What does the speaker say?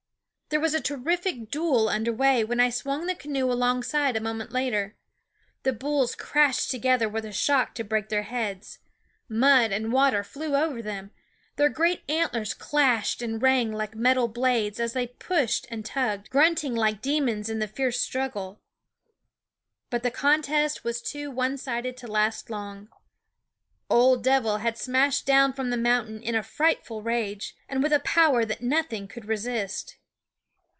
There was a terrific duel under way when I swung the canoe alongside a moment later. The bulls crashed together with a shock to break their heads. Mud and water flew over them ; their great antlers clashed and rang like metal blades as they pushed and tugged, grunting like demons in the fierce struggle. But the contest was too one sided to last long. OF Dev'l had smashed down from the mountain in a frightful rage, and with a power that nothing could resist.